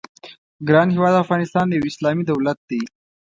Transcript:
ګران هېواد افغانستان یو اسلامي دولت دی.